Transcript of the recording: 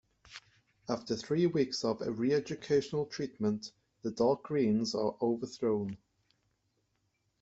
After three weeks of re-educational treatment, the Dark Greens are overthrown.